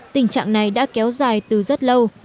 tình trạng này đã kéo dài từ rất lâu